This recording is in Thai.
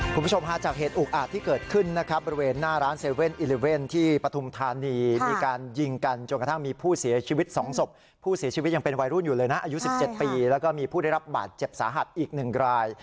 คุณผู้ชมฮาจากเหตุอุกอาจที่เกิดขึ้นนะครับบริเวณหน้าร้าน๗๑๑ที่ปฐุมธานีมีการยิงกันจนกระทั่งมีผู้เสียชีวิต๒ศพผู้เสียชีวิตยังเป็นวัยรุ่นอยู่เลยนะอายุ๑๗ปีแล้วก็มีผู้ได้รับบาดเจ็บสาหัสอีก๑ราย